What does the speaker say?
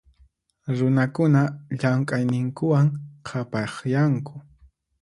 Runakuna llamk'ayninkuwan qhapaqyanku.